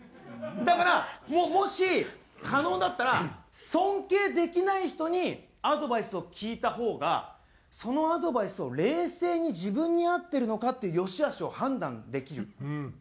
だからもし可能だったら尊敬できない人にアドバイスを聞いた方がそのアドバイスを冷静に自分に合ってるのかっていう善しあしを判断できる。